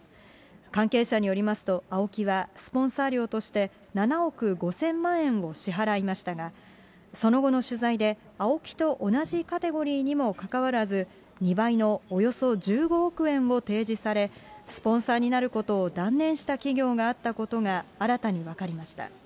関係者によりますと、ＡＯＫＩはスポンサー料として、７億５０００万円を支払いましたが、その後の取材で、ＡＯＫＩと同じカテゴリーにもかかわらず、２倍のおよそ１５億円を提示され、スポンサーになることを断念した企業があったことが新たに分かりました。